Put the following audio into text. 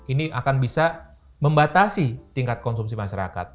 ini akan bisa membatasi tingkat konsumsi masyarakat